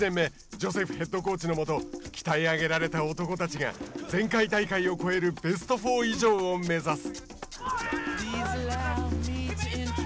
ジョセフヘッドコーチのもと鍛え上げられた男たちが前回大会を超えるベスト４以上を目指す。